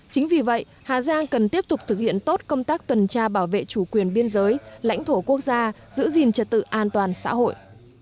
chính vì vậy hà giang cần tiếp tục thực hiện tốt công tác tuần tra bảo vệ chủ quyền biên giới lãnh thổ quốc gia giữ gìn trật tự an toàn xã hội